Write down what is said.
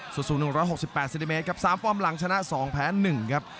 สูง๑๖๘เซนติเมตรครับ๓ฟอร์มหลังชนะ๒แพ้๑ครับ